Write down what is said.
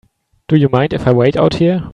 Do you mind if I wait out here?